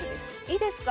いいですか？